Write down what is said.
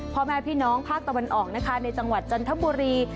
พ่อแม่พี่น้องภาคตะวันออกนะคะในจังหวัดจันทบุรี